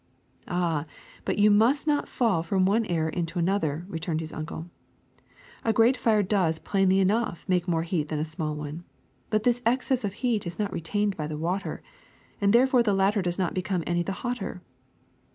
'' ^'Ah, but you must not fall from one error into another," returned his uncle. ^*A great fire does, plainly enough, make more heat than a small one; but this excess of heat is not retained by the water, and therefore the latter does not become any the hotter."